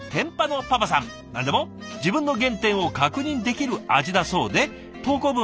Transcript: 何でも「自分の原点を確認できる味」だそうで投稿文